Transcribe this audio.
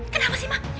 kenapa sih mah